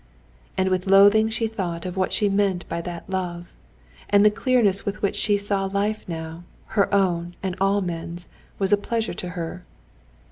And with loathing she thought of what she meant by that love. And the clearness with which she saw life now, her own and all men's, was a pleasure to her.